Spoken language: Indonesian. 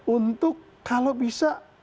untuk kalau bisa